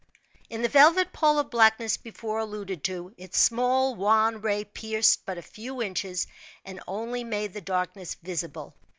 In the velvet pall of blackness before alluded to, its small, wan ray pierced but a few inches, and only made the darkness visible.